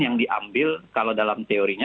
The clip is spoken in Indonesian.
yang diambil kalau dalam teorinya